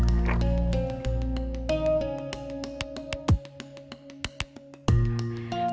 bensinnya tidak ada pembencinan